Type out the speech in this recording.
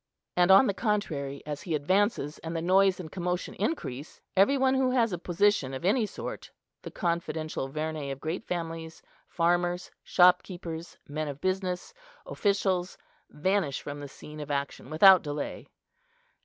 And on the contrary, as he advances, and the noise and commotion increase, every one who has a position of any sort, the confidential vernæ of great families, farmers, shopkeepers, men of business, officials, vanish from the scene of action without delay.